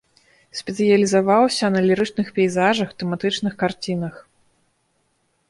Спецыялізаваўся на лірычных пейзажах, тэматычных карцінах.